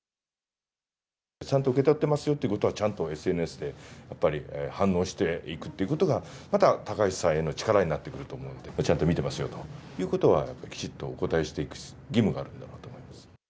ちゃんと受け取ってますよということは、ちゃんとＳＮＳでやっぱり反応していくってことが、また高市さんへの力になっていくと思うので、ちゃんと見てますよということは、やっぱきちっとお応えてしていく義務があると思い